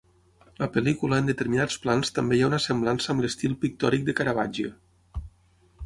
La pel·lícula en determinats plans també hi ha una semblança amb l'estil pictòric de Caravaggio.